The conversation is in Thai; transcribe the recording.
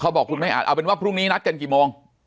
บอกคุณไม่อัดเอาเป็นว่าพรุ่งนี้นัดกันกี่โมง